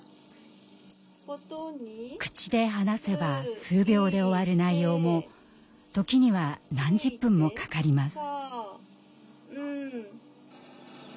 口で話せば数秒で終わる内容も時には何十分もかかります。